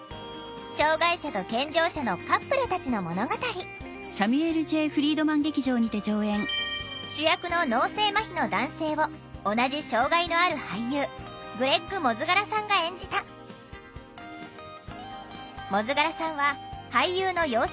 障害者と健常者のカップルたちの物語主役の脳性まひの男性を同じ障害のある俳優グレッグ・モズガラさんが演じたモズガラさんは俳優の養成